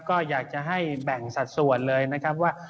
ก็อยากจะให้แบ่งสัดส่วนเลยนะครับว่า